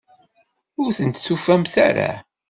Ur tent-tufamt ara?